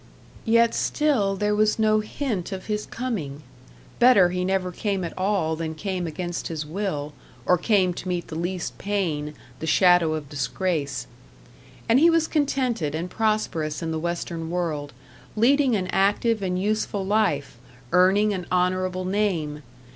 Yet still there was no hint of his coming; better he never came at all than came against his will, or came to meet the least pain, the shadow of disgrace. And he was contented and prosperous in the western world, leading an active and useful life, earning an honourable name.